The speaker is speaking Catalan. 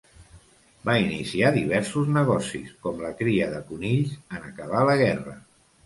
Va iniciar diversos negocis com la cria de conills, en acabar la guerra.